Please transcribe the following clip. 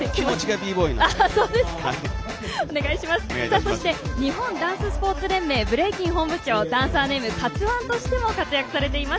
そして日本ダンススポーツ連盟ブレイキン本部長ダンサーネームＫＡＴＳＵＯＮＥとしても活躍されています